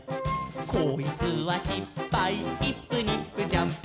「こいつはしっぱいイップニップジャンプ」